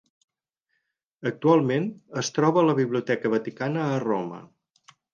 Actualment es troba a la Biblioteca Vaticana a Roma.